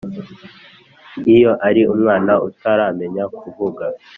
iyo ari umwana utaramenya kuvuga